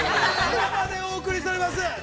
◆生でお送りしております！